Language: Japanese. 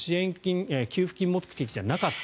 給付金目的じゃなかった。